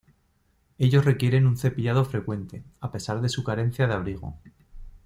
Ellos requieren un cepillado frecuente, a pesar de su carencia de abrigo.